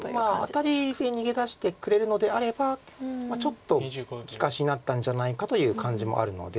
アタリに逃げ出してくれるのであればちょっと利かしになったんじゃないかという感じもあるので。